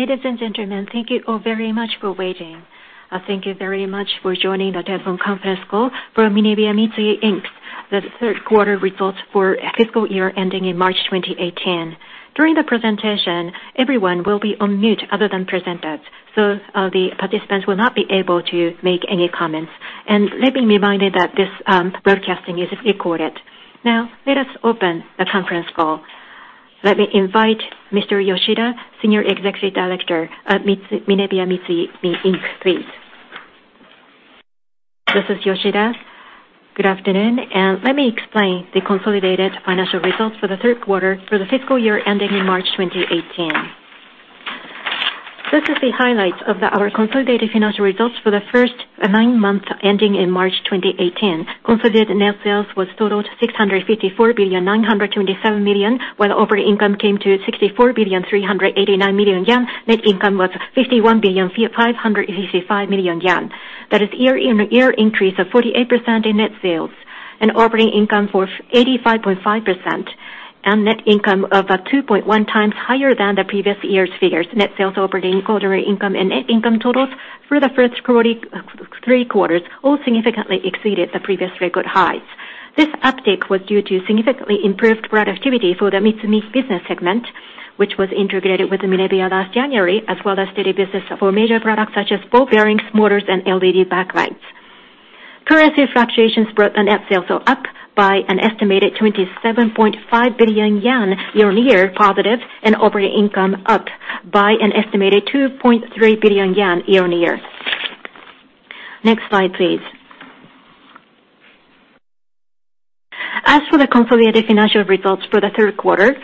Ladies and gentlemen, thank you all very much for waiting. Thank you very much for joining the telephone conference call for MINEBEA MITSUMI Inc., the third quarter results for fiscal year ending in March 2018. During the presentation, everyone will be on mute other than presenters, so the participants will not be able to make any comments. Let me remind you that this broadcasting is recorded. Now, let us open the conference call. Let me invite Mr. Yoshida, Senior Executive Director at MINEBEA MITSUMI Inc., please. This is Yoshida. Good afternoon. Let me explain the consolidated financial results for the third quarter for the fiscal year ending in March 2018. This is the highlights of our consolidated financial results for the first nine months ending in March 2018. Consolidated net sales totaled 654,927,000,000, while operating income came to 64,389,000,000 yen. Net income was 51,565,000,000 yen. That is year-on-year increase of 48% in net sales and operating income for 85.5%, and net income of 2.1 times higher than the previous year's figures. Net sales, operating quarterly income, and net income totals for the first three quarters all significantly exceeded the previous record highs. This uptick was due to significantly improved productivity for the MITSUMI business segment, which was integrated with the MINEBEA last January, as well as steady business for major products such as ball bearings, motors, and LED backlights. Currency fluctuations brought on net sales up by an estimated 27.5 billion yen year-on-year positive and operating income up by an estimated 2.3 billion yen year-on-year. Next slide, please. As for the consolidated financial results for the third quarter,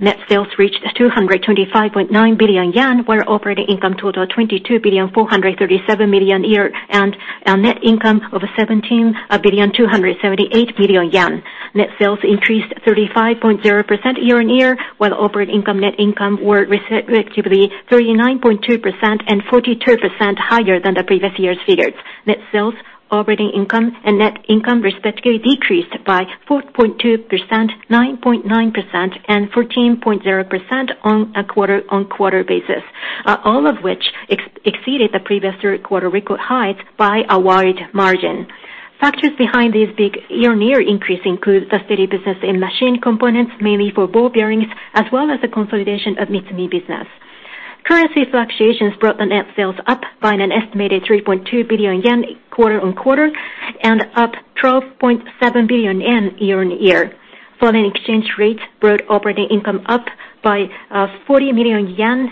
net sales reached 225.9 billion yen, while operating income totaled 22,437,000,000 and net income of 17,278,000,000 yen. Net sales increased 35.0% year-on-year, while operating income net income were respectively 39.2% and 42% higher than the previous year's figures. Net sales, operating income, and net income respectively decreased by 4.2%, 9.9%, and 14.0% on a quarter-on-quarter basis. All of which exceeded the previous third quarter record highs by a wide margin. Factors behind this big year-on-year increase include the steady business in machine components, mainly for ball bearings, as well as the consolidation of MITSUMI business. Currency fluctuations brought the net sales up by an estimated 3.2 billion yen quarter-on-quarter and up 12.7 billion yen year-on-year. Foreign exchange rates brought operating income up by 40 million yen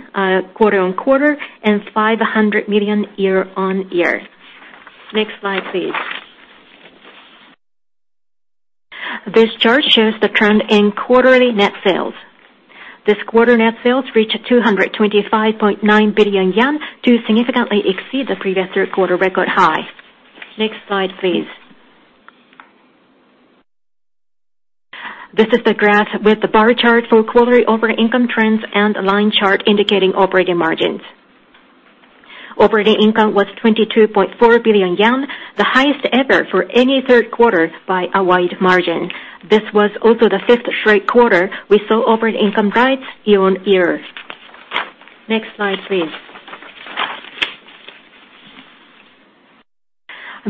quarter-on-quarter and 500 million year-on-year. Next slide, please. This chart shows the trend in quarterly net sales. This quarter net sales reached 225.9 billion yen to significantly exceed the previous third quarter record high. Next slide, please. This is the graph with the bar chart for quarterly operating income trends and line chart indicating operating margins. Operating income was 22.4 billion yen, the highest ever for any third quarter by a wide margin. This was also the fifth straight quarter we saw operating income rise year-on-year. Next slide, please.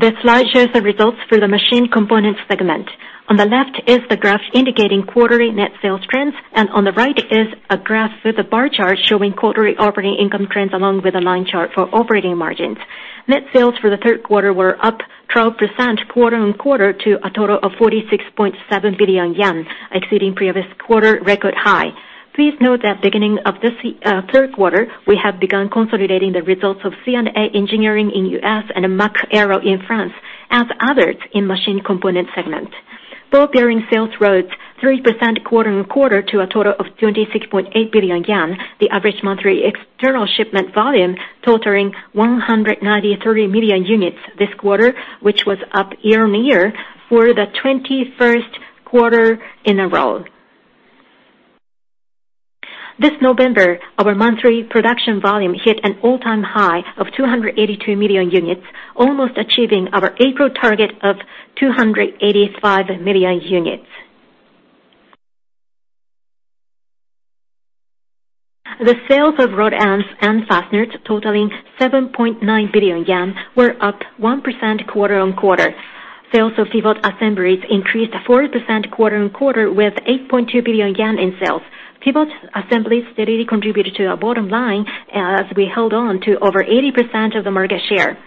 This slide shows the results for the machine components segment. On the left is the graph indicating quarterly net sales trends, and on the right is a graph with the bar chart showing quarterly operating income trends along with a line chart for operating margins. Net sales for the third quarter were up 12% quarter-on-quarter to a total of 46.7 billion yen, exceeding previous quarter record high. Please note that beginning of this third quarter, we have begun consolidating the results of C&A Tool Engineering in the U.S. and Mach Aero in France as others in machine component segment. Ball bearing sales rose 3% quarter-on-quarter to a total of 26.8 billion yen, the average monthly external shipment volume totaling 193 million units this quarter, which was up year-on-year for the 21st quarter in a row. This November, our monthly production volume hit an all-time high of 282 million units, almost achieving our April target of 285 million units. The sales of rod ends and fasteners totaling 7.9 billion yen were up 1% quarter-on-quarter. Sales of pivot assemblies increased 4% quarter-on-quarter with 8.2 billion yen in sales. Pivot assemblies steadily contributed to our bottom line as we held on to over 80% of the market share.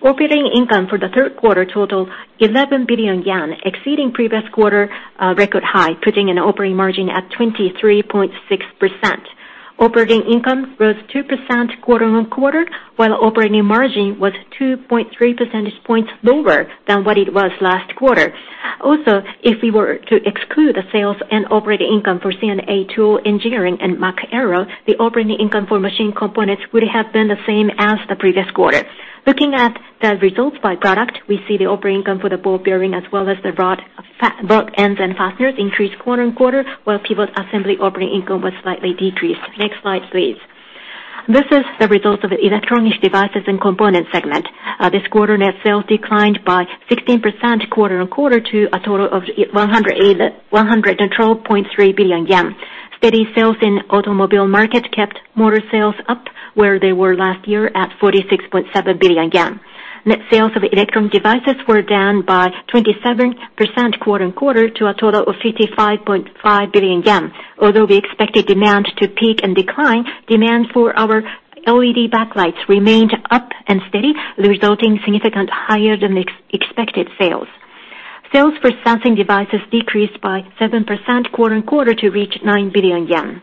Operating income for the third quarter total 11 billion yen, exceeding previous quarter record high, putting an operating margin at 23.6%. Operating income rose 2% quarter-on-quarter, while operating margin was 2.3 percentage points lower than what it was last quarter. If we were to exclude the sales and operating income for C&A Tool Engineering and Mach Aero, the operating income for machine components would have been the same as the previous quarter. Looking at the results by product, we see the operating income for the ball bearing as well as the rod ends and fasteners increased quarter-on-quarter, while pivot assembly operating income was slightly decreased. Next slide, please. This is the results of electronic devices and components segment. This quarter, net sales declined by 16% quarter-on-quarter to a total of 112.3 billion yen. Steady sales in automobile market kept motor sales up where they were last year at 46.7 billion yen. Net sales of electronic devices were down by 27% quarter-on-quarter to a total of 55.5 billion yen. We expected demand to peak and decline, demand for our LED backlights remained up and steady, resulting significant higher than expected sales. Sales for sensing devices decreased by 7% quarter-on-quarter to reach 9 billion yen.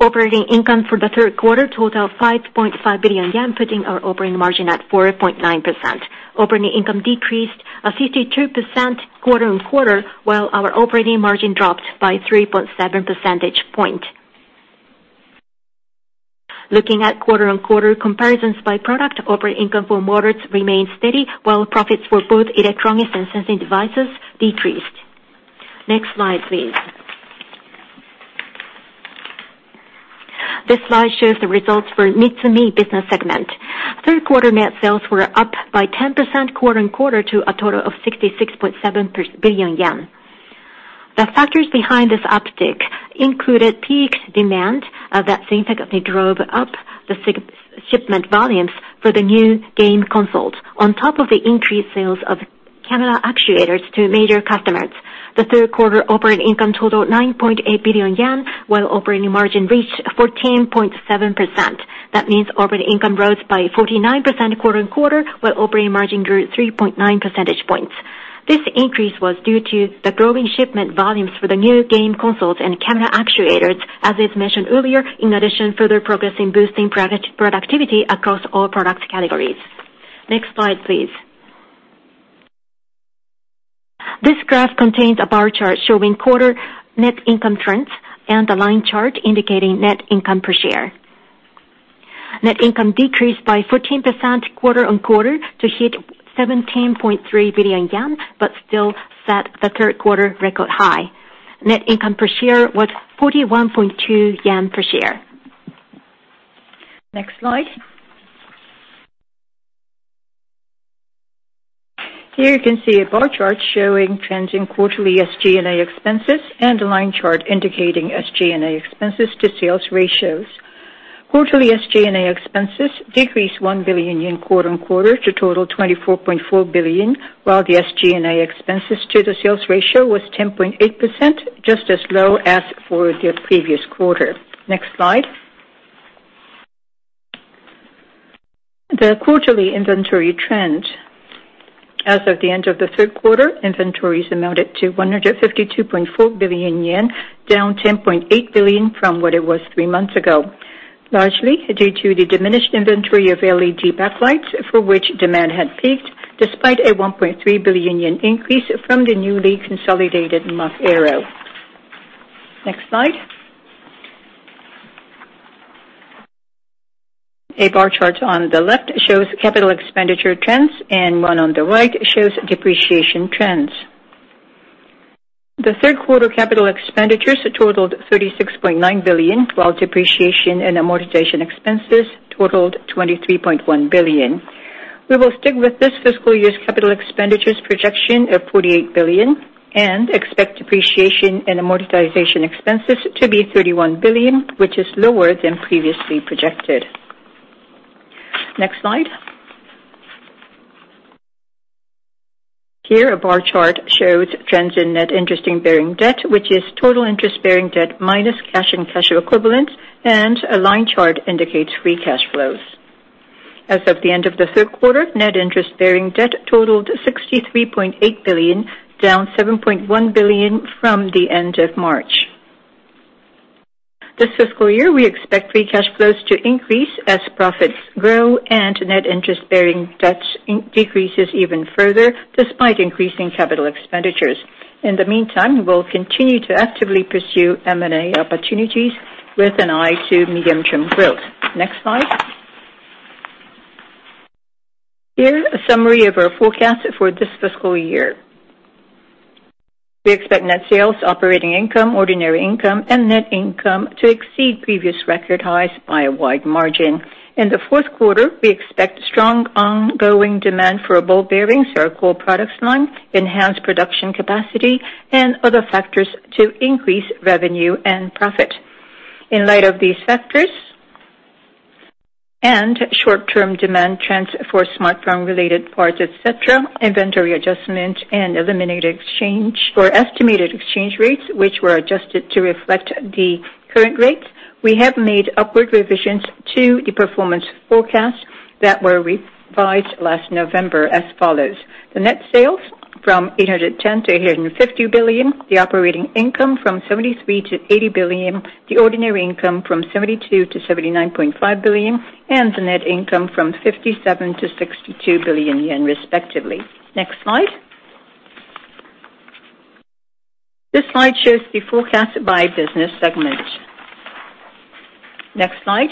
Operating income for the third quarter totaled 5.5 billion yen, putting our operating margin at 4.9%. Operating income decreased 52% quarter-on-quarter, while our operating margin dropped by 3.7 percentage point. Looking at quarter-on-quarter comparisons by product, operating income for motors remained steady, while profits for both electronics and sensing devices decreased. Next slide, please. This slide shows the results for MITSUMI business segment. Third quarter net sales were up by 10% quarter-on-quarter to a total of 66.7 billion yen. The factors behind this uptick included peak demand that significantly drove up the shipment volumes for the new game consoles, on top of the increased sales of camera actuators to major customers. The third quarter operating income totaled 9.8 billion yen, while operating margin reached 14.7%. That means operating income rose by 49% quarter-on-quarter, while operating margin grew 3.9 percentage points. This increase was due to the growing shipment volumes for the new game consoles and camera actuators, as is mentioned earlier, in addition, further progress in boosting productivity across all product categories. Next slide, please. This graph contains a bar chart showing quarter net income trends and the line chart indicating net income per share. Net income decreased by 14% quarter-on-quarter to hit 17.3 billion yen, but still set the third quarter record high. Net income per share was 41.2 yen per share. Next slide. Here you can see a bar chart showing trends in quarterly SG&A expenses and a line chart indicating SG&A expenses to sales ratios. Quarterly SG&A expenses decreased 1 billion yen quarter-on-quarter to total 24.4 billion, while the SG&A expenses to the sales ratio was 10.8%, just as low as for the previous quarter. Next slide. The quarterly inventory trend. As of the end of the third quarter, inventories amounted to 152.4 billion yen, down 10.8 billion from what it was three months ago. Largely due to the diminished inventory of LED backlights, for which demand had peaked despite a 1.3 billion yen increase from the newly consolidated (Muffler). Next slide. A bar chart on the left shows capital expenditure trends, and one on the right shows depreciation trends. The third quarter capital expenditures totaled 36.9 billion, while depreciation and amortization expenses totaled 23.1 billion. We will stick with this fiscal year's capital expenditures projection of 48 billion and expect depreciation and amortization expenses to be 31 billion, which is lower than previously projected. Next slide. Here, a bar chart shows trends in net interest-bearing debt, which is total interest-bearing debt minus cash and cash equivalents, and a line chart indicates free cash flows. As of the end of the third quarter, net interest-bearing debt totaled 63.8 billion, down 7.1 billion from the end of March. This fiscal year, we expect free cash flows to increase as profits grow and net interest-bearing debts decreases even further despite increasing capital expenditures. In the meantime, we will continue to actively pursue M&A opportunities with an eye to medium-term growth. Next slide. Here, a summary of our forecast for this fiscal year. We expect net sales, operating income, ordinary income, and net income to exceed previous record highs by a wide margin. In the fourth quarter, we expect strong ongoing demand for ball bearings, our core products line, enhanced production capacity, and other factors to increase revenue and profit. In light of these factors and short-term demand trends for smartphone-related parts, et cetera, inventory adjustment, and eliminated exchange for estimated exchange rates, which were adjusted to reflect the current rates, we have made upward revisions to the performance forecast that were revised last November as follows. The net sales from 810 billion-850 billion, the operating income from 73 billion-80 billion, the ordinary income from 72 billion-79.5 billion, and the net income from 57 billion-62 billion yen, respectively. Next slide. This slide shows the forecast by business segment. Next slide.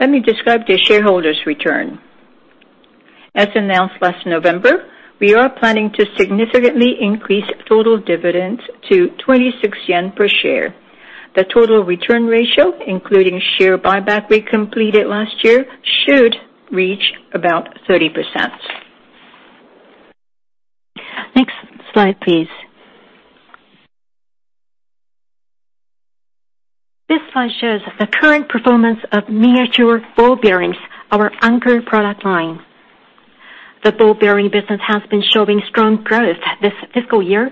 Let me describe the shareholders return. As announced last November, we are planning to significantly increase total dividends to 26 yen per share. The total return ratio, including share buyback we completed last year, should reach about 30%. Next slide, please. This slide shows the current performance of miniature ball bearings, our anchor product line. The ball bearing business has been showing strong growth this fiscal year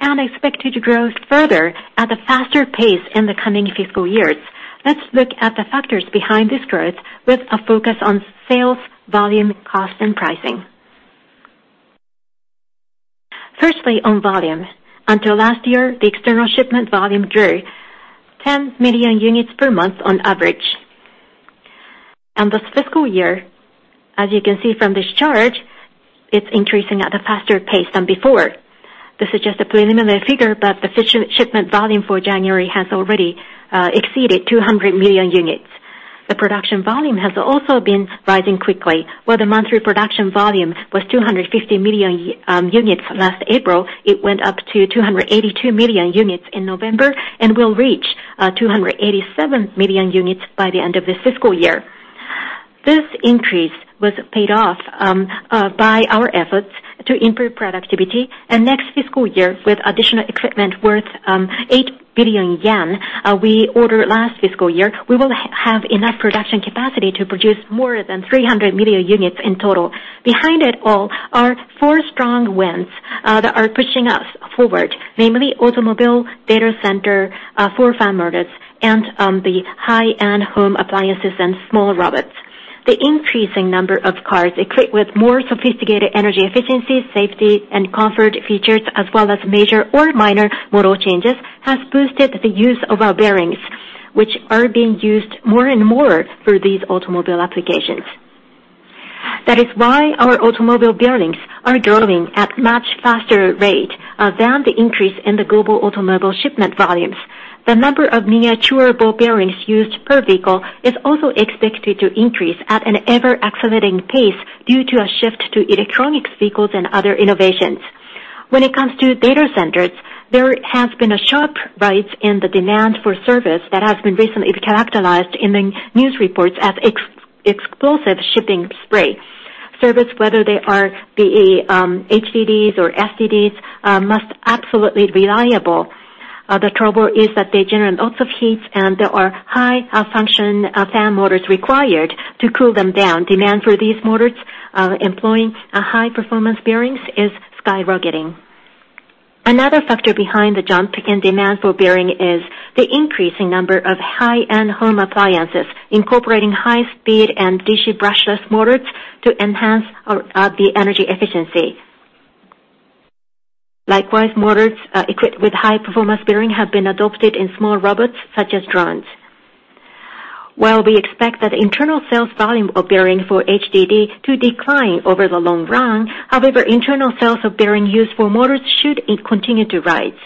and expected to grow further at a faster pace in the coming fiscal years. Let's look at the factors behind this growth with a focus on sales volume, cost, and pricing. Firstly, on volume. Until last year, the external shipment volume drew 10 million units per month on average. This fiscal year, as you can see from this chart, it's increasing at a faster pace than before. This is just a preliminary figure, but the shipment volume for January has already exceeded 200 million units. The production volume has also been rising quickly. While the monthly production volume was 250 million units last April, it went up to 282 million units in November and will reach 287 million units by the end of this fiscal year. This increase was paid off by our efforts to improve productivity, and next fiscal year, with additional equipment worth 8 billion yen we ordered last fiscal year, we will have enough production capacity to produce more than 300 million units in total. Behind it all are four strong winds that are pushing us forward, namely automobile, data center, four fan motors, and the high-end home appliances and small robots. The increasing number of cars equipped with more sophisticated energy efficiency, safety, and comfort features, as well as major or minor model changes, has boosted the use of our bearings, which are being used more and more for these automobile applications. That is why our automobile bearings are growing at much faster rate than the increase in the global automobile shipment volumes. The number of miniature ball bearings used per vehicle is also expected to increase at an ever-accelerating pace due to a shift to electronics vehicles and other innovations. When it comes to data centers, there has been a sharp rise in the demand for servers that has been recently characterized in the news reports as explosive shipping spree. Servers, whether they are the HDDs or SSDs, must absolutely reliable. The trouble is that they generate lots of heat, and there are high-function fan motors required to cool them down. Demand for these motors employing high-performance bearings is skyrocketing. Another factor behind the jump in demand for bearing is the increasing number of high-end home appliances incorporating high speed and DC brushless motors to enhance the energy efficiency. Likewise, motors equipped with high-performance bearing have been adopted in small robots such as drones. While we expect that internal sales volume of bearing for HDD to decline over the long run, internal sales of bearing used for motors should continue to rise,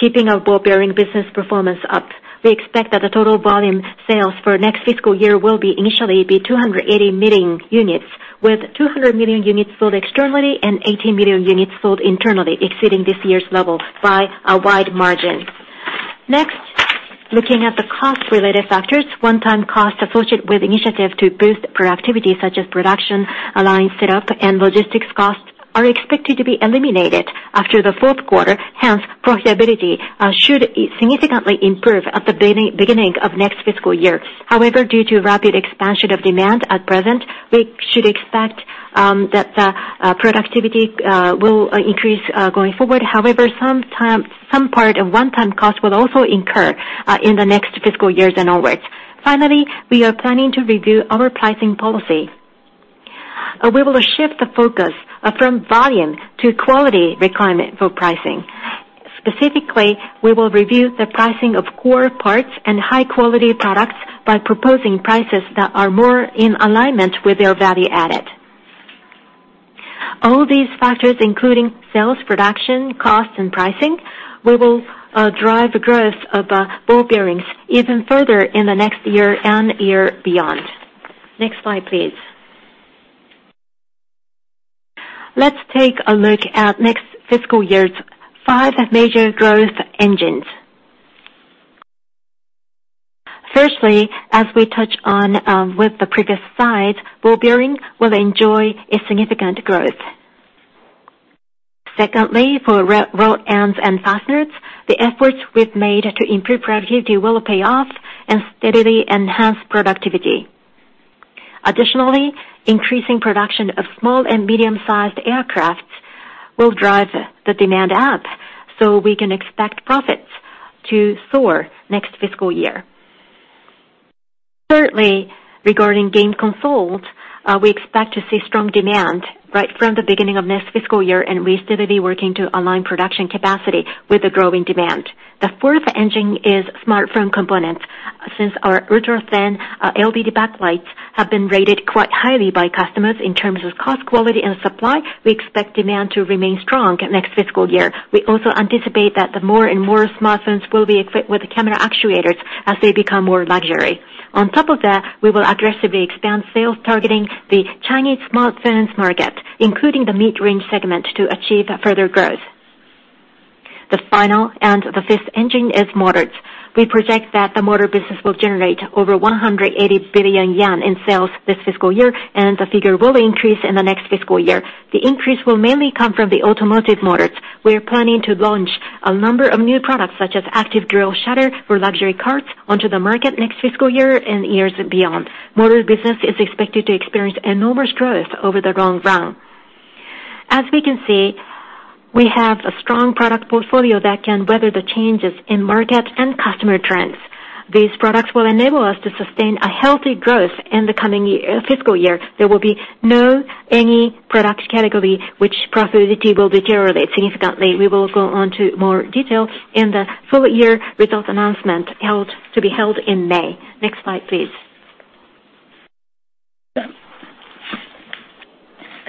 keeping our ball bearing business performance up. We expect that the total volume sales for next fiscal year will initially be 280 million units, with 200 million units sold externally and 80 million units sold internally, exceeding this year's level by a wide margin. Looking at the cost-related factors. One-time cost associated with initiative to boost productivity, such as production line setup and logistics costs, are expected to be eliminated after the fourth quarter, hence profitability should significantly improve at the beginning of next fiscal year. Due to rapid expansion of demand at present, we should expect that the productivity will increase going forward. Some part of one-time cost will also incur in the next fiscal years and onwards. Finally, we are planning to review our pricing policy. We will shift the focus from volume to quality requirement for pricing. Specifically, we will review the pricing of core parts and high-quality products by proposing prices that are more in alignment with their value added. All these factors, including sales, production, cost, and pricing, will drive the growth of ball bearings even further in the next year and year beyond. Next slide, please. Let's take a look at next fiscal year's five major growth engines. Firstly, as we touch on with the previous slide, ball bearing will enjoy a significant growth. Secondly, for rod ends and fasteners, the efforts we've made to improve productivity will pay off and steadily enhance productivity. Additionally, increasing production of small and medium-sized aircraft will drive the demand up. We can expect profits to soar next fiscal year. Thirdly, regarding game consoles, we expect to see strong demand right from the beginning of next fiscal year. We're steadily working to align production capacity with the growing demand. The fourth engine is smartphone components. Since our ultra-thin LED backlights have been rated quite highly by customers in terms of cost, quality, and supply, we expect demand to remain strong next fiscal year. We also anticipate that more and more smartphones will be equipped with camera actuators as they become more luxury. On top of that, we will aggressively expand sales targeting the Chinese smartphones market, including the mid-range segment, to achieve further growth. The final and the fifth engine is motors. We project that the motor business will generate over 180 billion yen in sales this fiscal year. The figure will increase in the next fiscal year. The increase will mainly come from the automotive motors. We are planning to launch a number of new products, such as active grill shutter for luxury cars, onto the market next fiscal year and years beyond. Motors business is expected to experience enormous growth over the long run. As we can see, we have a strong product portfolio that can weather the changes in market and customer trends. These products will enable us to sustain a healthy growth in the coming fiscal year. There will be no any product category which profitability will deteriorate significantly. We will go on to more detail in the full-year result announcement to be held in May. Next slide, please.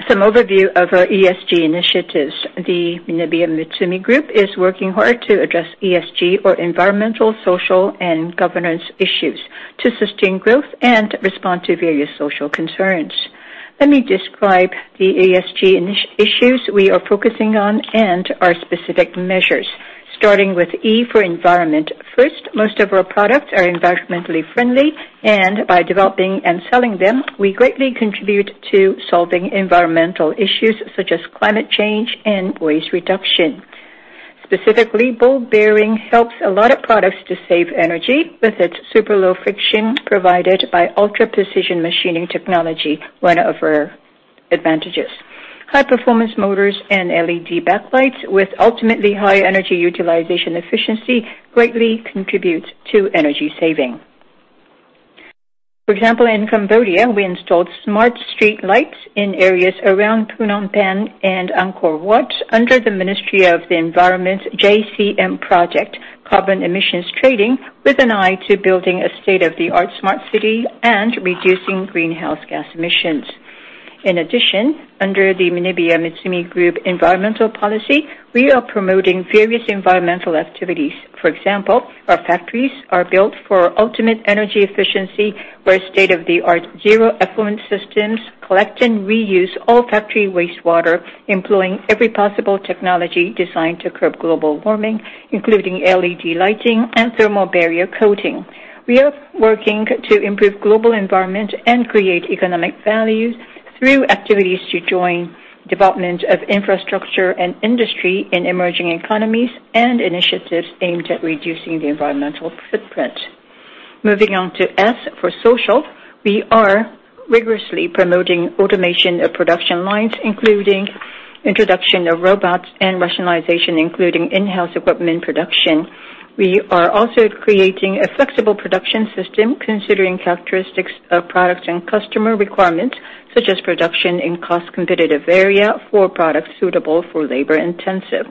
Some overview of our ESG initiatives. The MinebeaMitsumi Group is working hard to address ESG or environmental, social, and governance issues to sustain growth and respond to various social concerns. Let me describe the ESG issues we are focusing on and our specific measures, starting with E for environment. First, most of our products are environmentally friendly. By developing and selling them, we greatly contribute to solving environmental issues such as climate change and waste reduction. Specifically, ball bearings helps a lot of products to save energy with its super low friction provided by ultra-precision machining technology, one of our advantages. High-performance motors and LED backlights with ultimately high energy utilization efficiency greatly contribute to energy saving. For example, in Cambodia, we installed smart streetlights in areas around Phnom Penh and Angkor Wat under the Ministry of the Environment's JCM project, carbon emissions trading, with an eye to building a state-of-the-art smart city and reducing greenhouse gas emissions. In addition, under the MinebeaMitsumi Group environmental policy, we are promoting various environmental activities. For example, our factories are built for ultimate energy efficiency, where state-of-the-art zero effluent systems collect and reuse all factory wastewater, employing every possible technology designed to curb global warming, including LED lighting and thermal barrier coating. We are working to improve global environment and create economic value through activities to join development of infrastructure and industry in emerging economies and initiatives aimed at reducing the environmental footprint. Moving on to S for social. We are rigorously promoting automation of production lines, including introduction of robots and rationalization, including in-house equipment production. We are also creating a flexible production system considering characteristics of product and customer requirements, such as production in cost-competitive area for products suitable for labor-intensive.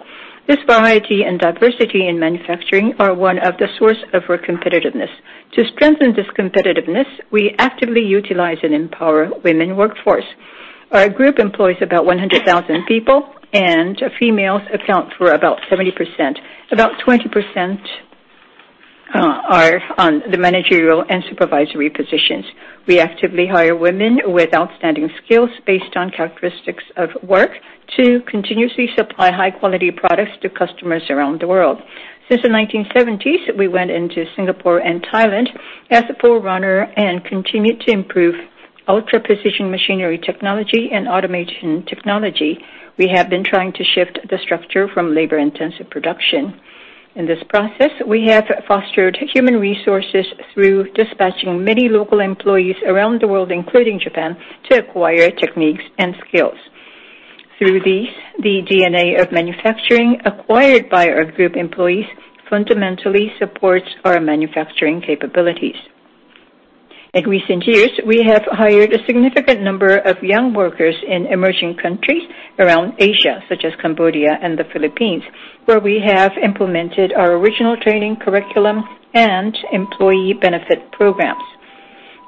This variety and diversity in manufacturing are one of the sources of our competitiveness. To strengthen this competitiveness, we actively utilize and empower women workforce. Our group employs about 100,000 people, and females account for about 70%. About 20% are on the managerial and supervisory positions. We actively hire women with outstanding skills based on characteristics of work to continuously supply high-quality products to customers around the world. Since the 1970s, we went into Singapore and Thailand as a forerunner and continued to improve ultra-precision machinery technology and automation technology. We have been trying to shift the structure from labor-intensive production. In this process, we have fostered human resources through dispatching many local employees around the world, including Japan, to acquire techniques and skills. Through these, the DNA of manufacturing acquired by our group employees fundamentally supports our manufacturing capabilities. In recent years, we have hired a significant number of young workers in emerging countries around Asia, such as Cambodia and the Philippines, where we have implemented our original training curriculum and employee benefit programs.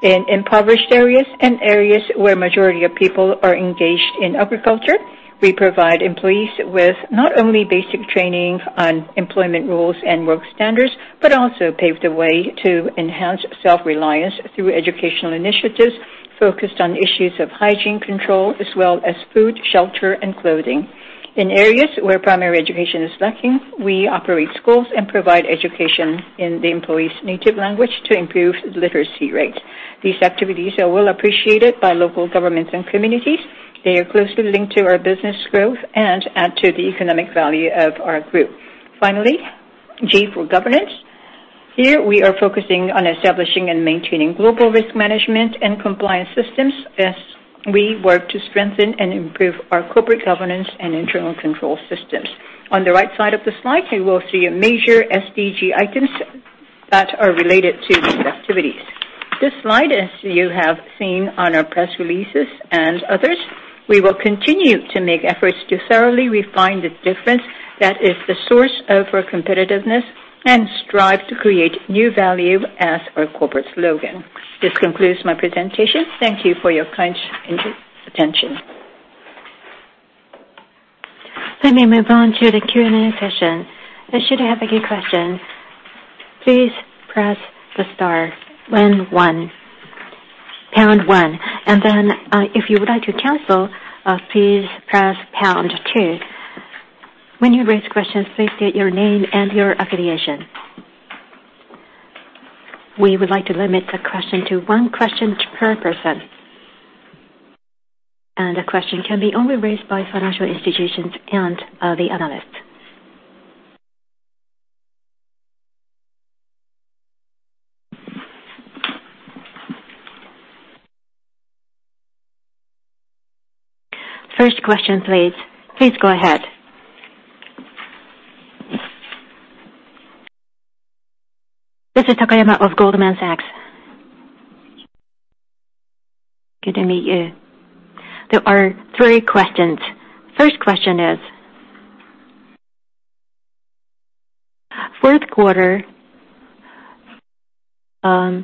In impoverished areas and areas where majority of people are engaged in agriculture, we provide employees with not only basic training on employment rules and work standards but also pave the way to enhance self-reliance through educational initiatives focused on issues of hygiene control as well as food, shelter, and clothing. In areas where primary education is lacking, we operate schools and provide education in the employees' native language to improve literacy rate. These activities are well appreciated by local governments and communities. They are closely linked to our business growth and add to the economic value of our group. Finally, G for governance. Here, we are focusing on establishing and maintaining global risk management and compliance systems as we work to strengthen and improve our corporate governance and internal control systems. On the right side of the slide, you will see a major SDG items that are related to these activities. This slide, as you have seen on our press releases and others We will continue to make efforts to thoroughly refine the difference that is the source of our competitiveness and strive to create new value as our corporate slogan. This concludes my presentation. Thank you for your kind attention. Let me move on to the Q&A session. Should you have any questions, please press the star pound one. Then, if you would like to cancel, please press pound two. When you raise questions, please state your name and your affiliation. We would like to limit the question to one question per person. The question can be only raised by financial institutions and the analysts. First question, please. Please go ahead. This is Takayama of Goldman Sachs. Good to meet you. There are three questions. First question is, fourth quarter of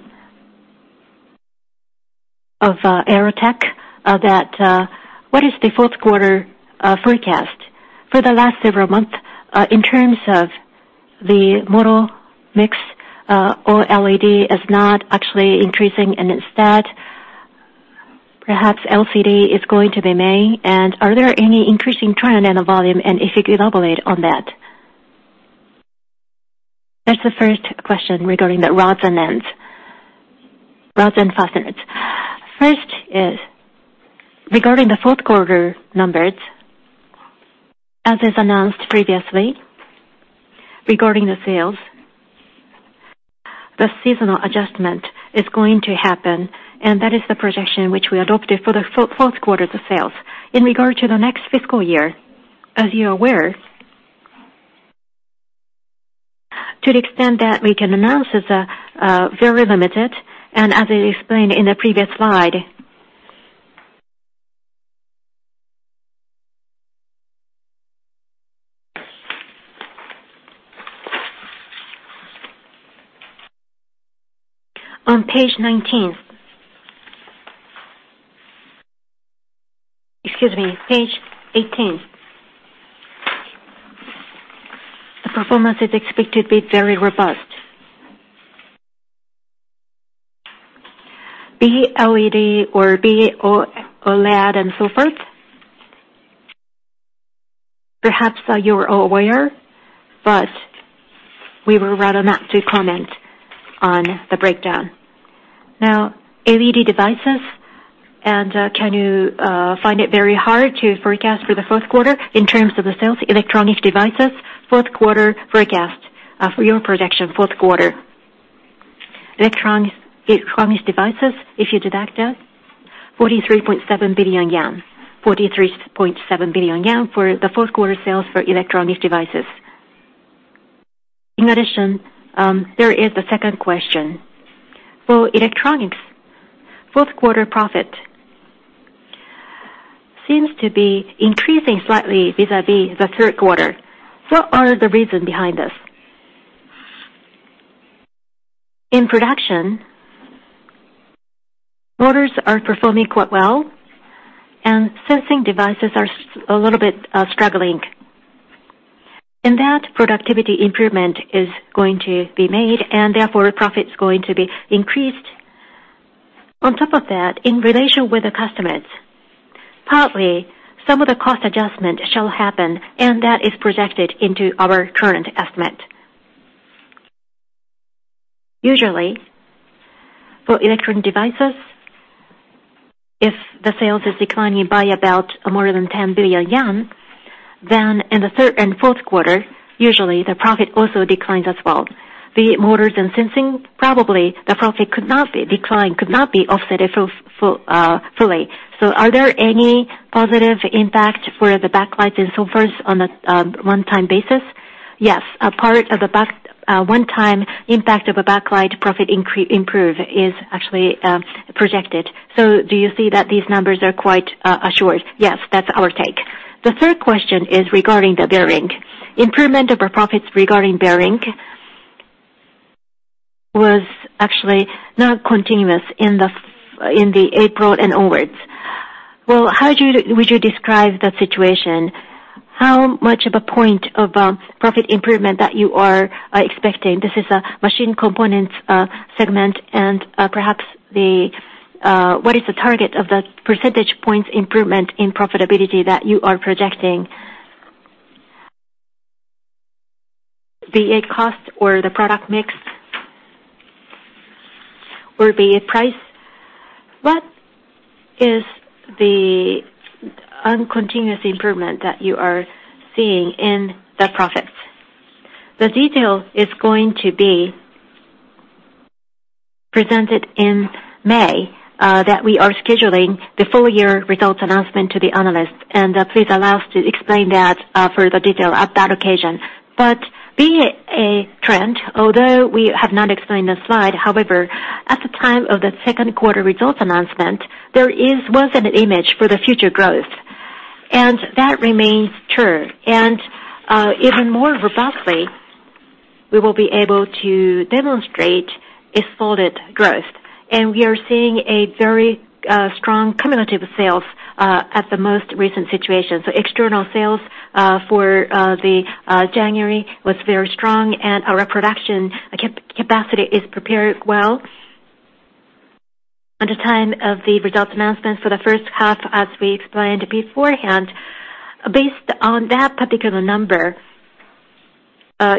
(Aerotech), what is the fourth quarter forecast for the last several months in terms of the model mix? OLED is not actually increasing, instead perhaps LCD is going to be main. Are there any increasing trend in the volume? If you could elaborate on that. That's the first question regarding the rods and fasteners. First is, regarding the fourth quarter numbers, as is announced previously, regarding the sales, the seasonal adjustment is going to happen, and that is the projection which we adopted for the fourth quarter of sales. In regard to the next fiscal year, as you are aware, to the extent that we can announce is very limited, as I explained in the previous slide. On page 19. Excuse me, page 18. The performance is expected to be very robust. BLU or BLEAD and so forth, perhaps you are aware, but we would rather not to comment on the breakdown. LED devices, can you find it very hard to forecast for the fourth quarter in terms of the sales? Electronic devices, fourth quarter forecast, for your projection, fourth quarter. Electronic devices, if you deduct that, 43.7 billion yen. 43.7 billion yen for the fourth quarter sales for electronic devices. There is a second question. For electronics, fourth quarter profit seems to be increasing slightly vis-a-vis the third quarter. What are the reason behind this? In production, motors are performing quite well, and sensing devices are a little bit struggling. In that, productivity improvement is going to be made, and therefore profits going to be increased. On top of that, in relation with the customers, partly, some of the cost adjustment shall happen, and that is projected into our current estimate. Usually, for electronic devices, if the sales is declining by about more than 10 billion yen, then in the third and fourth quarter, usually, the profit also declines as well. The motors and sensing, probably the profit decline could not be offset fully. Are there any positive impact for the backlights and so forth on a one-time basis? Yes. A part of the one-time impact of a backlight profit improve is actually projected. Do you see that these numbers are quite assured? Yes, that's our take. The third question is regarding the bearing. Improvement of our profits regarding bearing was actually not continuous in the April and onwards. How would you describe the situation? How much of a point of profit improvement that you are expecting? This is a machine components segment, perhaps, what is the target of the percentage points improvement in profitability that you are projecting? Be it cost or the product mix, or be it price. What is the uncontinuous improvement that you are seeing in the profits? The detail is going to be presented in May, that we are scheduling the full year results announcement to the analyst. Please allow us to explain that further detail at that occasion. Being a trend, although we have not explained the slide, however, at the time of the second quarter results announcement, there was an image for the future growth, that remains true. Even more robustly, we will be able to demonstrate a folded growth. We are seeing a very strong cumulative sales at the most recent situation. External sales for January was very strong, our production capacity is prepared well. At the time of the results announcement for the first half, as we explained beforehand, based on that particular number,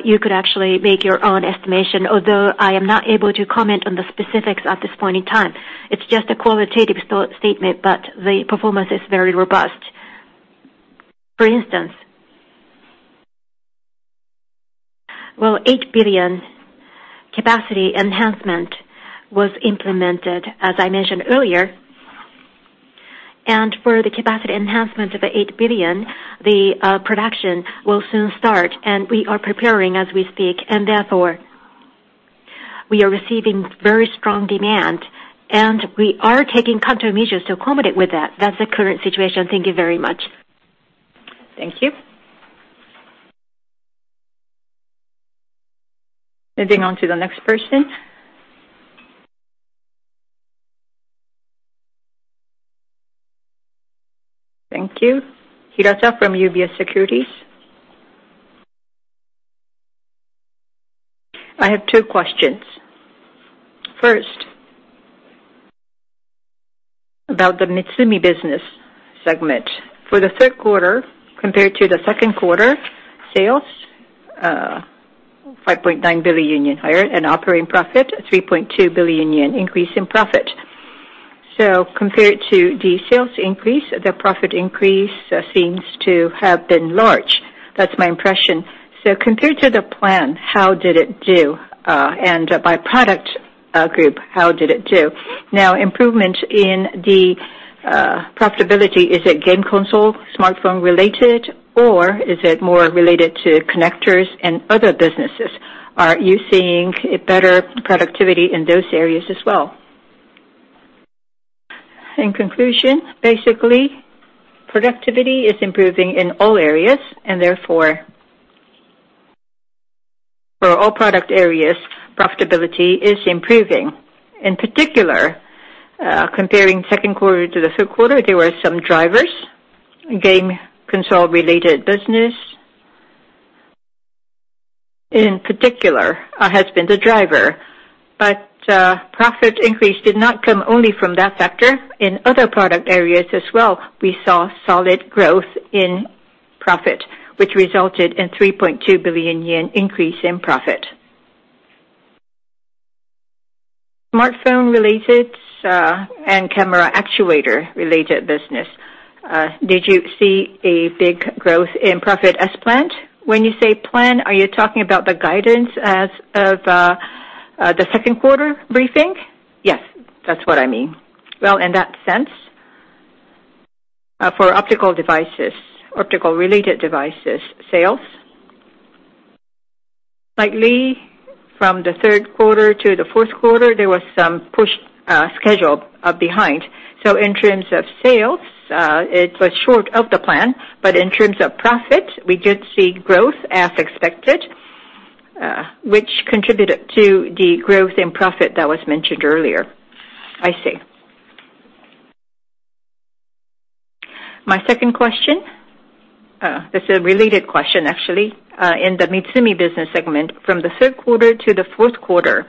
you could actually make your own estimation, although I am not able to comment on the specifics at this point in time. It's just a qualitative statement, but the performance is very robust. For instance, JPY 8 billion capacity enhancement was implemented, as I mentioned earlier. For the capacity enhancement of the 8 billion, the production will soon start, and we are preparing as we speak. Therefore, we are receiving very strong demand, and we are taking countermeasures to accommodate with that. That's the current situation. Thank you very much. Thank you. Moving on to the next person. Thank you. Hirata from UBS Securities. I have two questions. First, about the MITSUMI business segment. For the third quarter compared to the second quarter, sales 5.9 billion yen higher and operating profit 3.2 billion yen increase in profit. Compared to the sales increase, the profit increase seems to have been large. That's my impression. Compared to the plan, how did it do? By product group, how did it do? Improvement in the profitability, is it game console, smartphone-related, or is it more related to connectors and other businesses? Are you seeing a better productivity in those areas as well? In conclusion, basically, productivity is improving in all areas, therefore for all product areas, profitability is improving. In particular, comparing second quarter to the third quarter, there were some drivers. Game console-related business, in particular, has been the driver. Profit increase did not come only from that factor. In other product areas as well, we saw solid growth in profit, which resulted in 3.2 billion yen increase in profit. Smartphone-related and camera actuator-related business. Did you see a big growth in profit as planned? When you say plan, are you talking about the guidance as of the second quarter briefing? Yes, that's what I mean. Well, in that sense, for optical related devices sales, slightly from the third quarter to the fourth quarter, there was some push schedule behind. In terms of sales, it was short of the plan, but in terms of profit, we did see growth as expected, which contributed to the growth in profit that was mentioned earlier. I see. My second question, this is a related question, actually. In the MITSUMI business segment, from the third quarter to the fourth quarter,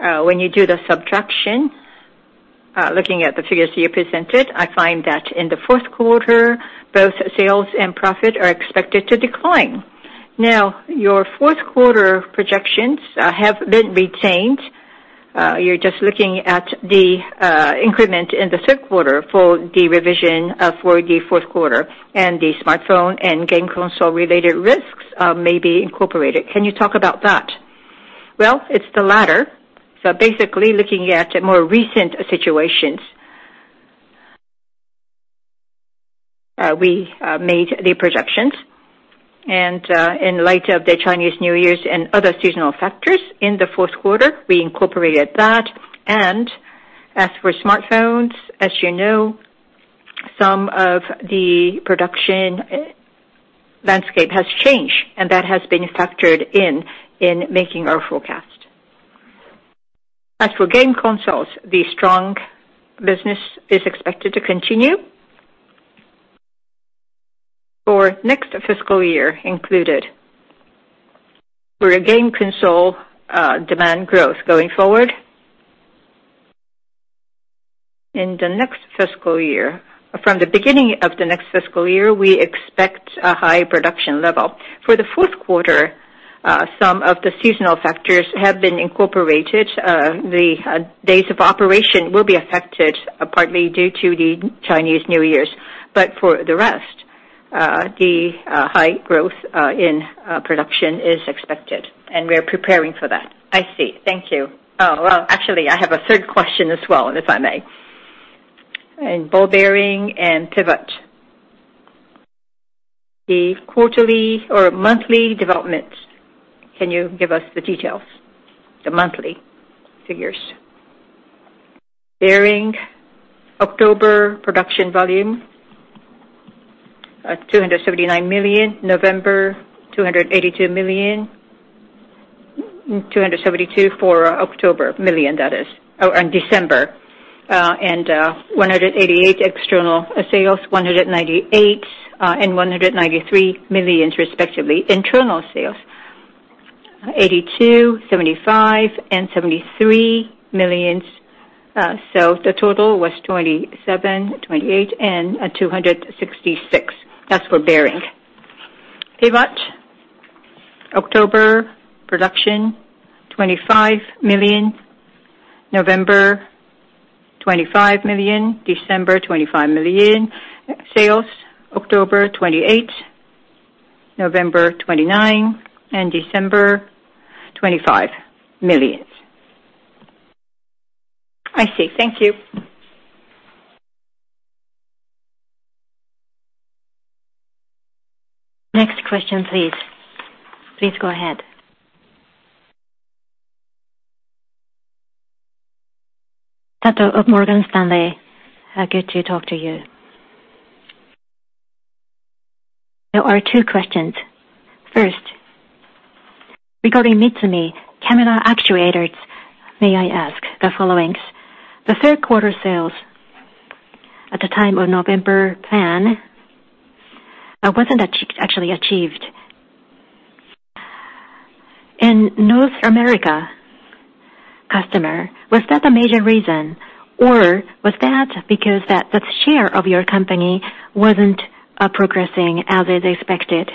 when you do the subtraction, looking at the figures you presented, I find that in the fourth quarter, both sales and profit are expected to decline. Your fourth quarter projections have been retained. You're just looking at the increment in the third quarter for the revision for the fourth quarter, the smartphone and game console related risks may be incorporated. Can you talk about that? It's the latter. Basically, looking at more recent situations, we made the projections, and in light of the Chinese New Year and other seasonal factors in the fourth quarter, we incorporated that. As for smartphones, as you know, some of the production landscape has changed, and that has been factored in making our forecast. As for game consoles, the strong business is expected to continue for next fiscal year included. For a game console, demand growth going forward. In the next fiscal year, from the beginning of the next fiscal year, we expect a high production level. For the fourth quarter, some of the seasonal factors have been incorporated. The days of operation will be affected partly due to the Chinese New Year. For the rest, the high growth in production is expected, and we are preparing for that. I see. Thank you. Actually, I have a third question as well, if I may Ball bearing and pivot. The quarterly or monthly development, can you give us the details, the monthly figures? Bearing October production volume, 279 million. November, 282 million. (272 million for October, that is, and December). External sales, JPY 188 million, 198 million and 193 million respectively. Internal sales, 82 million, 75 million and 73 million. The total was (27, 28 and 266). That's for bearing. Pivot October production, 25 million. November, 25 million. December, 25 million. Sales, October 28 million, November 29 million, and December 25 million. I see. Thank you. Next question, please. Please go ahead. Sato of Morgan Stanley. Good to talk to you. There are two questions. First, regarding MITSUMI camera actuators, may I ask the followings? The third quarter sales at the time of November plan, wasn't actually achieved. In North America customer, was that a major reason or was that because the share of your company wasn't progressing as is expected?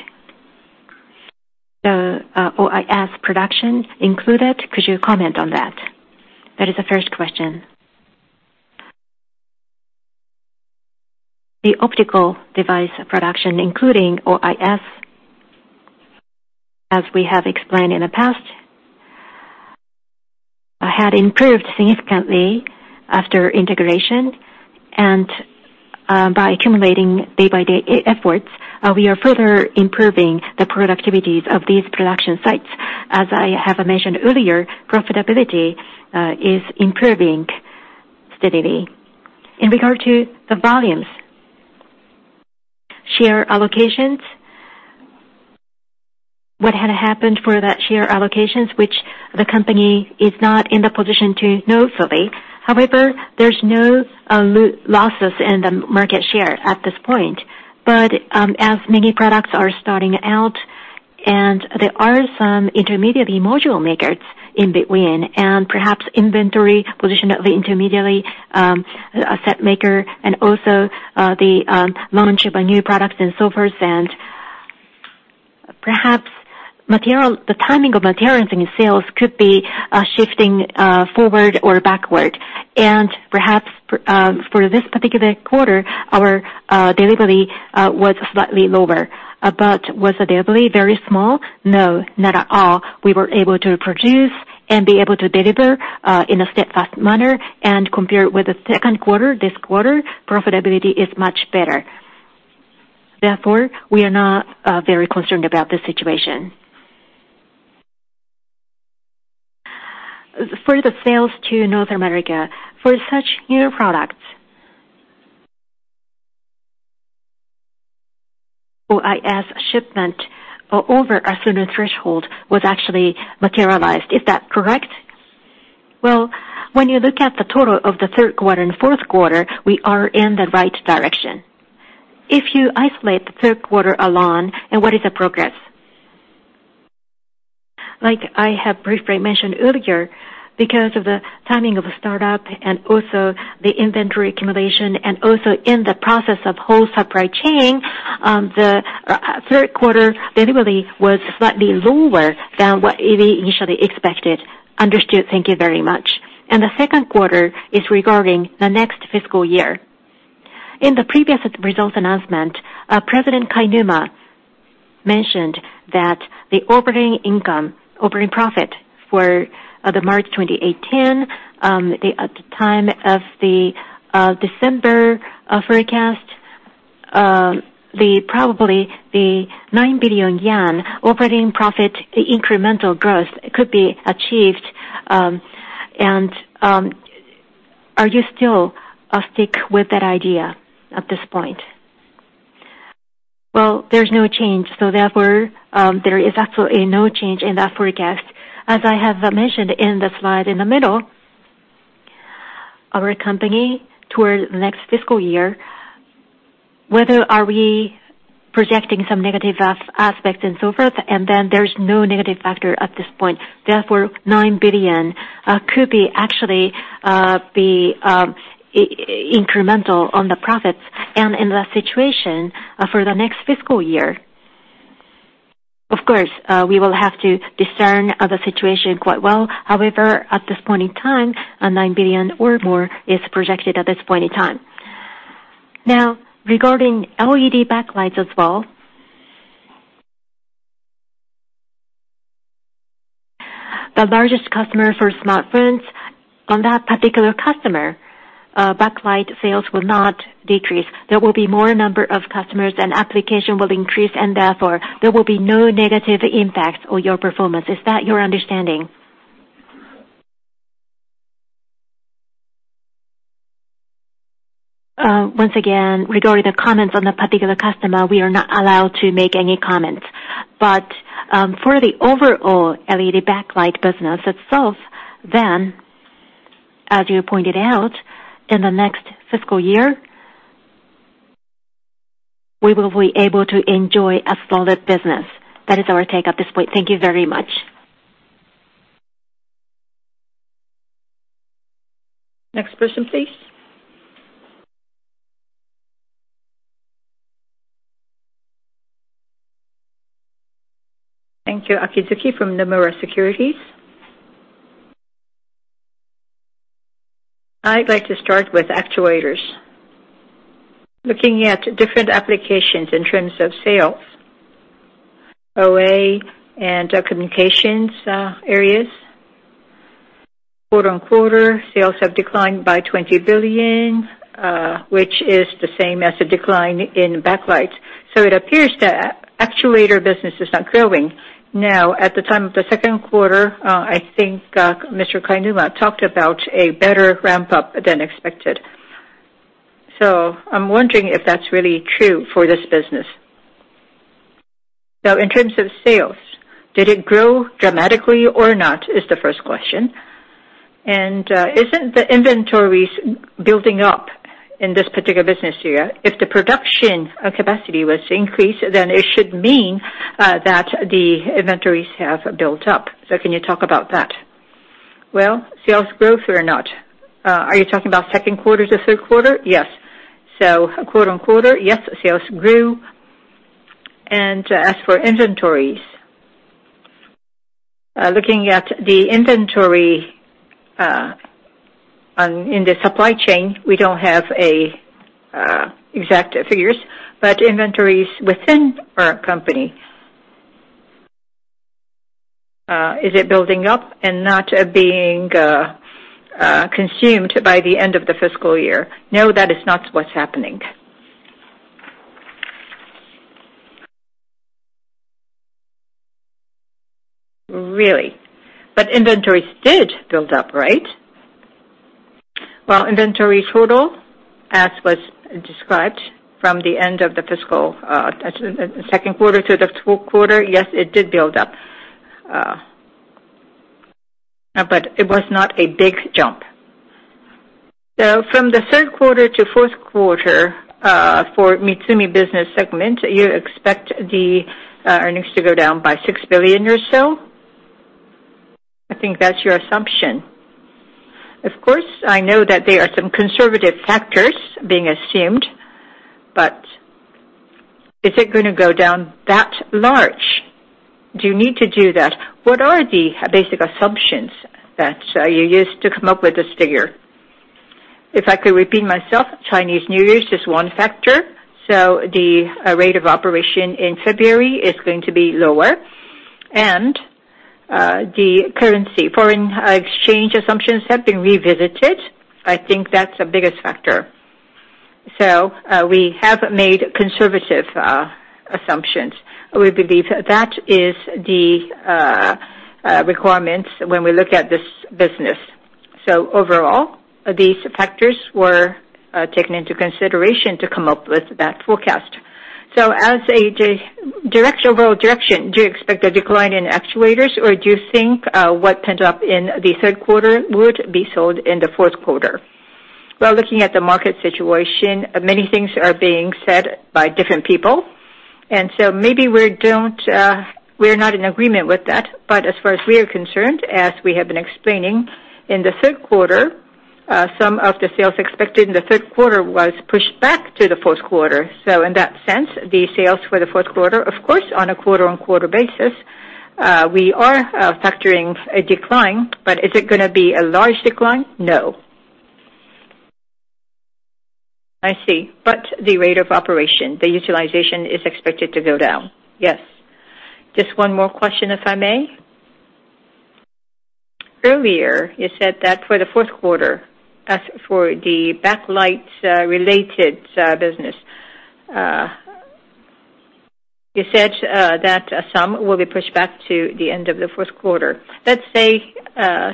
The OIS production included, could you comment on that? That is the first question. The optical device production, including OIS, as we have explained in the past, had improved significantly after integration. By accumulating day-by-day efforts, we are further improving the productivities of these production sites. As I have mentioned earlier, profitability is improving steadily. In regard to the volumes, share allocations, what had happened for that share allocations, which the company is not in the position to know fully. However, there's no losses in the market share at this point. As many products are starting out there are some intermediate module makers in between, perhaps inventory position of the intermediary set maker also the launch of a new product and so forth, perhaps the timing of materials and sales could be shifting forward or backward. Perhaps for this particular quarter, our delivery was slightly lower. Was the delivery very small? No, not at all. We were able to produce and be able to deliver in a steadfast manner. Compared with the second quarter, this quarter, profitability is much better. Therefore, we are not very concerned about the situation. For the sales to North America, for such new products, OIS shipment over a certain threshold was actually materialized. Is that correct? Well, when you look at the total of the third quarter and fourth quarter, we are in the right direction. If you isolate the third quarter alone, what is the progress? Like I have briefly mentioned earlier, because of the timing of the startup and also the inventory accumulation and also in the process of whole supply chain, the third quarter delivery was slightly lower than what we initially expected. Understood. Thank you very much. The second quarter is regarding the next fiscal year. In the previous results announcement, President Kainuma mentioned that the operating profit for the March 2018, at the time of the December forecast, probably the 9 billion yen operating profit, the incremental growth could be achieved. Are you still stick with that idea at this point? Well, there's no change. Therefore, there is absolutely no change in that forecast. As I have mentioned in the slide in the middle, our company, toward the next fiscal year, whether are we projecting some negative aspects and so forth, then there's no negative factor at this point. Therefore, 9 billion could actually be incremental on the profits. In that situation, for the next fiscal year, of course, we will have to discern the situation quite well. However, at this point in time, a 9 billion or more is projected at this point in time. Now, regarding LED backlights as well. The largest customer for smartphones. On that particular customer, backlight sales will not decrease. There will be more number of customers, application will increase, therefore, there will be no negative impact on your performance. Is that your understanding? Once again, regarding the comments on the particular customer, we are not allowed to make any comments. For the overall LED backlight business itself, then, as you pointed out, in the next fiscal year, we will be able to enjoy a solid business. That is our take at this point. Thank you very much. Next question, please. Thank you. Akizuki from Nomura Securities. I'd like to start with actuators. Looking at different applications in terms of sales, OA and communications areas, quarter-on-quarter, sales have declined by 20 billion, which is the same as the decline in backlights. It appears that actuator business is not growing. At the time of the second quarter, I think Mr. Kainuma talked about a better ramp-up than expected. I'm wondering if that's really true for this business. In terms of sales, did it grow dramatically or not, is the first question. Isn't the inventories building up in this particular business here? If the production capacity was increased, then it should mean that the inventories have built up. Can you talk about that? Well, sales growth or not? Are you talking about second quarter to third quarter? Yes. Quarter-on-quarter, yes, sales grew. As for inventories, looking at the inventory in the supply chain, we don't have exact figures, but inventories within our company, is it building up and not being consumed by the end of the fiscal year? No, that is not what's happening. Really? Inventories did build up, right? Well, inventory total, as was described from the end of the second quarter to the fourth quarter, yes, it did build up. It was not a big jump. From the third quarter to fourth quarter, for MITSUMI business segment, you expect the earnings to go down by 6 billion or so? I think that's your assumption. Of course, I know that there are some conservative factors being assumed, is it going to go down that large? Do you need to do that? What are the basic assumptions that you used to come up with this figure? If I could repeat myself, Chinese New Year is just one factor. The rate of operation in February is going to be lower, and the currency, foreign exchange assumptions have been revisited. I think that's the biggest factor. We have made conservative assumptions. We believe that is the requirements when we look at this business. Overall, these factors were taken into consideration to come up with that forecast. As an overall direction, do you expect a decline in actuators, or do you think what pent up in the third quarter would be sold in the fourth quarter? Well, looking at the market situation, many things are being said by different people, and so maybe we're not in agreement with that. As far as we are concerned, as we have been explaining, in the third quarter, some of the sales expected in the third quarter was pushed back to the fourth quarter. In that sense, the sales for the fourth quarter, of course, on a quarter-on-quarter basis, we are factoring a decline. Is it going to be a large decline? No. I see. The rate of operation, the utilization is expected to go down. Yes. Just one more question, if I may. Earlier, you said that for the fourth quarter, as for the backlight-related business, you said that some will be pushed back to the end of the fourth quarter. Let's say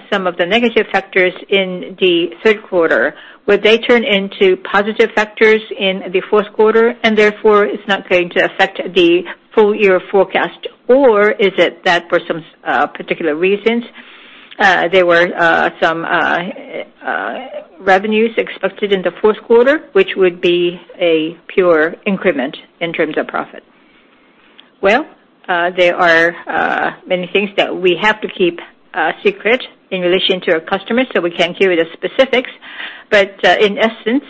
some of the negative factors in the third quarter, will they turn into positive factors in the fourth quarter, and therefore, it's not going to affect the full-year forecast? Is it that for some particular reasons, there were some revenues expected in the fourth quarter, which would be a pure increment in terms of profit? There are many things that we have to keep secret in relation to our customers, so we can't give you the specifics. In essence,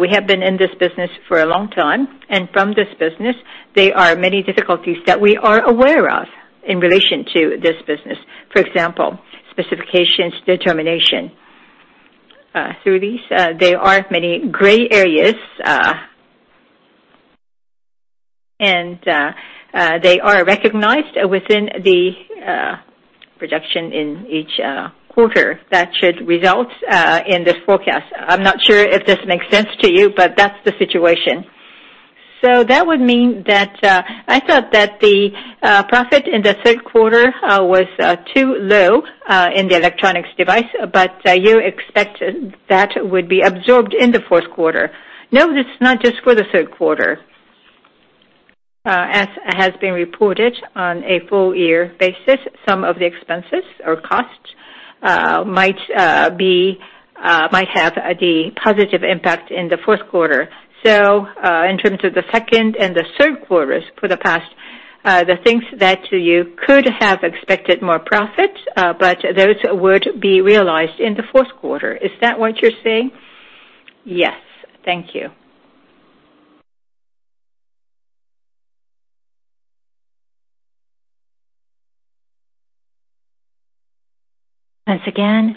we have been in this business for a long time, and from this business, there are many difficulties that we are aware of in relation to this business. For example, specifications determination. Through these, there are many gray areas. They are recognized within the projection in each quarter that should result in this forecast. I'm not sure if this makes sense to you, but that's the situation. That would mean that I thought that the profit in the third quarter was too low in the electronics device, but you expect that would be absorbed in the fourth quarter. No, this is not just for the third quarter. As has been reported on a full year basis, some of the expenses or costs might have the positive impact in the fourth quarter. In terms of the second and the third quarters for the past, the things that you could have expected more profit, but those would be realized in the fourth quarter. Is that what you're saying? Yes. Thank you. Once again,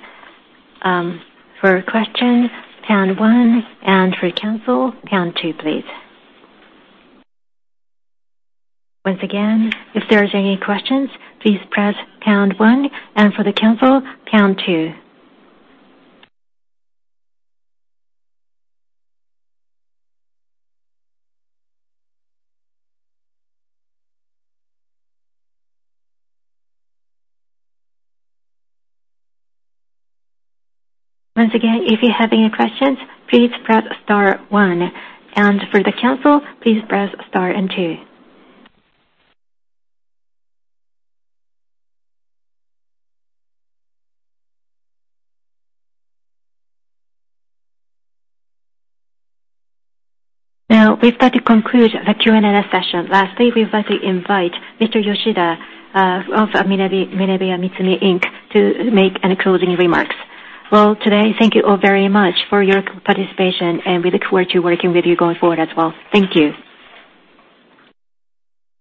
for question, pound one, and for cancel, pound two, please. Once again, if there's any questions, please press pound one, and for the cancel, pound two. Once again, if you have any questions, please press star one, and for the cancel, please press star and two. We've got to conclude the Q&A session. Lastly, we'd like to invite Mr. Yoshida of MinebeaMitsumi Inc., to make any closing remarks. Today, thank you all very much for your participation, we look forward to working with you going forward as well. Thank you.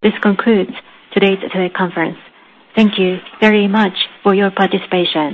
This concludes today's conference. Thank you very much for your participation.